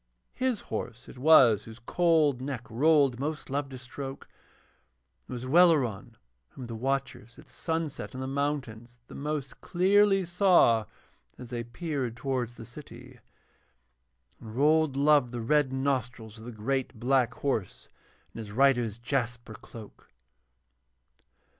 His horse it was whose cold neck Rold most loved to stroke, and it was Welleran whom the watchers at sunset on the mountains the most clearly saw as they peered towards the city. And Rold loved the red nostrils of the great black horse and his rider's jasper cloak.